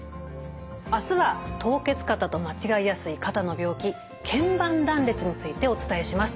あすは凍結肩と間違いやすい肩の病気けん板断裂についてお伝えします。